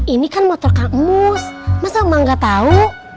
ini kan motor kak emus masa emak gak tau